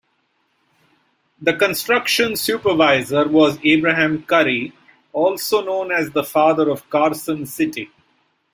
The construction supervisor was Abraham Curry, also known as the Father of Carson City.